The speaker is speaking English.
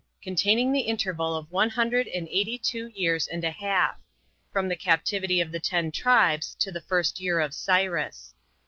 Containing The Interval Of One Hundred And Eighty Two Years And A Half.From The Captivity Of The Ten Tribes To The First Year Of Cyrus.